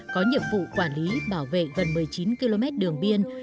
phụ quản lý bảo vệ vần một mươi chín km đường biên